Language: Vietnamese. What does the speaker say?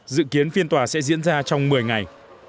dự kiến phiên tòa sẽ diễn ra trong một mươi ngày